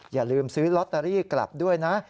อย่าลืมซื้อลอตเตอรี่กลับด้วยนะ